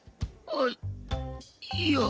あっいや。